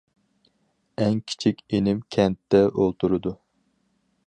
ئەڭ كىچىك ئىنىم كەنتتە ئولتۇرىدۇ.